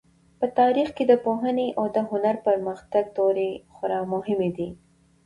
په تاریخ کې د پوهنې او هنر د پرمختګ دورې خورا مهمې دي.